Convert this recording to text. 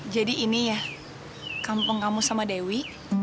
ini ya kampung kamu sama dewi